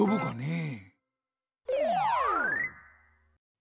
え！